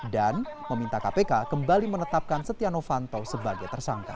dan meminta kpk kembali menetapkan setia novanto sebagai tersangka